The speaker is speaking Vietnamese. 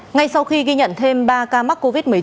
ngay sau khi ghi nhận thêm ba ca mắc covid một mươi chín